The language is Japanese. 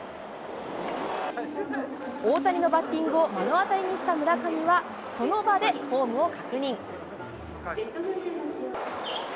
大谷のバッティングを目の当たりにした村上は、その場でフォームを確認。